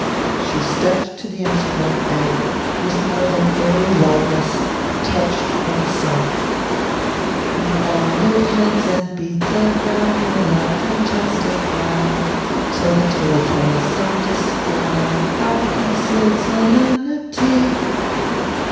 She stepped to the instrument, and, with more than airy lightness, touched and sung: "Now knit hands and beat the ground In a light, fantastic round, Till the telltale sun descry Our conceal'd solemnity."